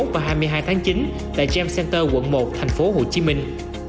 hai mươi một và hai mươi hai tháng chín tại gem center quận một thành phố hồ chí minh